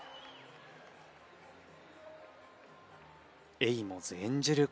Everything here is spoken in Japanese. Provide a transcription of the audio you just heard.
エイモズ演じる